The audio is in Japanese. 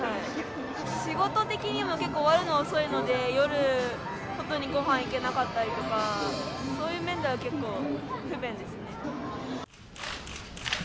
仕事的にも結構、終わるの遅いので、夜、外にごはん行けなかったりとか、そういう面では結構、不便ですね。